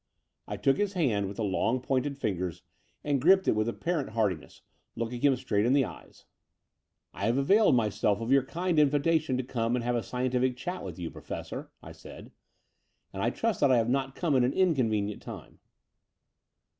I took his hand, with the long pointed fingers, and gripped it with apparent heartiness, looking him back straight in the eyes. I have availed myself of your kind invitation to come and have a scientific chat with you, Pro fessor," I said: "and I trust that I have not come at an inconvenient time."